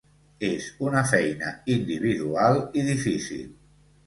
És una feina individual i difícil.